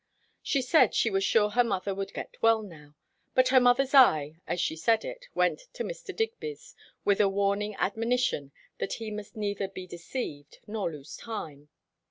She said she was sure her mother would get well now. But her mother's eye, as she said it, went to Mr. Digby's, with a warning admonition that he must neither be deceived nor lose time.